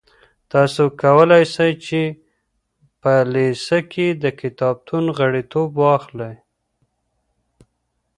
تاسو کولای سئ چي په لېسه کي د کتابتون غړیتوب واخلئ.